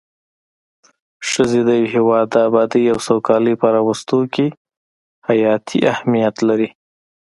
ښځی د يو هيواد د ابادي او سوکالي په راوستو کي حياتي اهميت لري